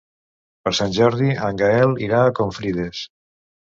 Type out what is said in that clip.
Per Sant Jordi en Gaël irà a Confrides.